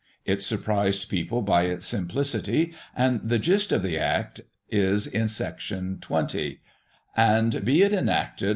It surprised people by its simplicity, and the gist of the Act is in Section xx. :" And be it enacted.